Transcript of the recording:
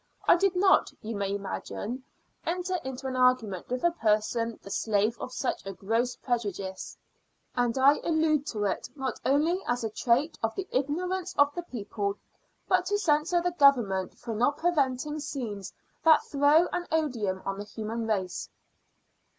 I did not, you may imagine, enter into an argument with a person the slave of such a gross prejudice. And I allude to it not only as a trait of the ignorance of the people, but to censure the Government for not preventing scenes that throw an odium on the human race.